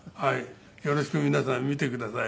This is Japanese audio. よろしく皆さん見てください。